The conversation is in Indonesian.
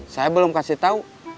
saya belum kasih tahu